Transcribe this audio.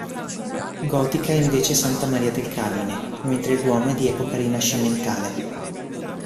Gotica è invece Santa Maria del Carmine, mentre il Duomo è di epoca rinascimentale.